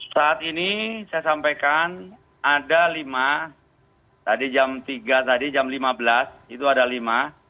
saat ini saya sampaikan ada lima tadi jam lima belas itu ada lima